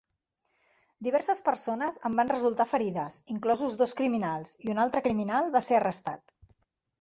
Diverses persones en van resultar ferides, inclosos dos criminals, i un altre criminal va ser arrestat.